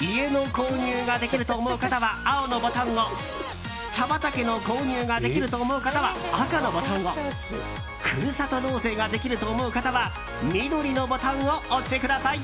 家の購入ができると思う方は青のボタンを茶畑の購入ができると思う方は赤のボタンをふるさと納税ができると思う方は緑のボタンを押してください。